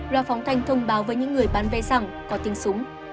loa phóng thanh thông báo với những người bán vé rằng có tiếng súng